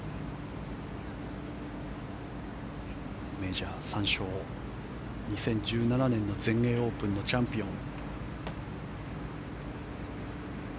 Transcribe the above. メジャー３勝２０１７年の全英オープンのチャンピオン。